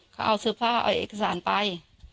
เขาเอาเสื้อผ้าเอาเอกสารไป